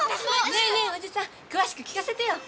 ねえねえおじさん詳しく聞かせてよ。